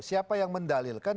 siapa yang mendalilkan